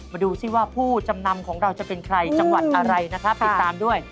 ดูสิว่าผู้จำนำของเราจะเป็นใครจังหวัดอะไรนะครับติดตามด้วย